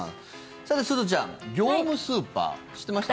さて、すずちゃん業務スーパー、知ってました？